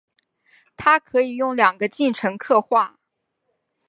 它可以用两个进程刻画。